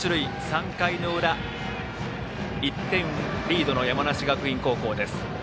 ３回の裏、１点リードの山梨学院高校です。